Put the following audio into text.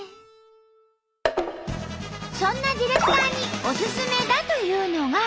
そんなディレクターにおすすめだというのが。